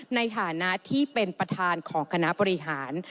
ในฐานะที่เป็นประธานของคณะบริหาร